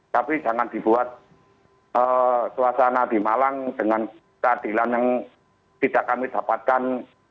tapi jangan dibuat suasana di malang dengan keadilan yang tidak kami dapatkan